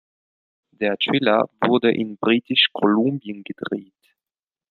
Der Thriller wurde in Britisch-Kolumbien gedreht.